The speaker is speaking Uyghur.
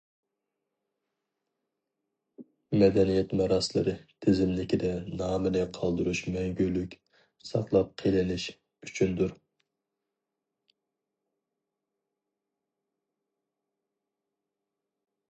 مەدەنىيەت مىراسلىرى تىزىملىكىدە نامىنى قالدۇرۇش مەڭگۈلۈك‹‹ ساقلاپ قېلىنىش›› ئۈچۈندۇر.